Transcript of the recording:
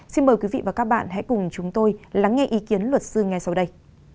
xin mời quý vị và các bạn hãy cùng chúng tôi lắng nghe ý kiến luật sư ngay sau đây